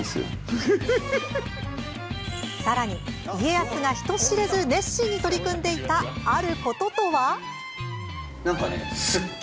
さらに家康が人知れず熱心に取り組んでいたあることとは？